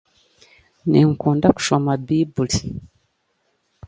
Ninkunda kushoma baiburi.